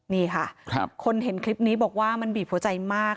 นี่ค่ะคนเห็นคลิปนี้บอกว่ามันบีบหัวใจมาก